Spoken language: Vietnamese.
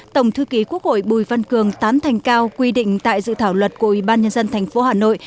tổng thư ký quốc hội bùi văn cường tán thành cao quy định tại dự thảo luật của ủy ban nhân dân tp hà nội